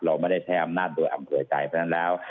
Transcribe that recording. เราไม่ได้ใช้อำนาจโดยอำเภอใจเพราะฉะนั้นแล้ว